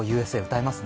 歌います。